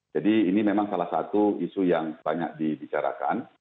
ini memang salah satu isu yang banyak dibicarakan